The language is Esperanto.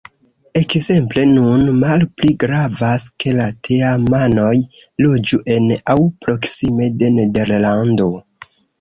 Ekzemple nun malpli gravas, ke la teamanoj loĝu en aŭ proksime de Nederlando.